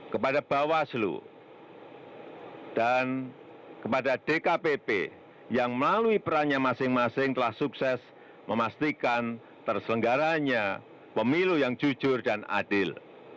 kepada bawaslu dan kepada dkpp yang melalui perannya masing masing telah sukses memastikan terselenggaranya pemilu yang jujur dan adil